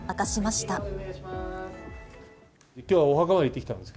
きょう、お墓参り行ってきたんです。